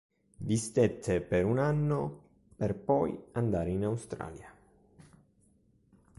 Vi stette per un anno per poi andare in Australia.